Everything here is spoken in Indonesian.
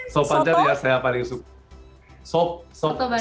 soto banjar ya saya paling suka